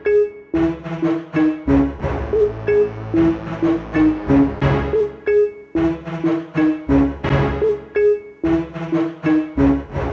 ini busnya guna apel tetapi pertama